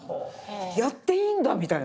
やっていいんだみたいな。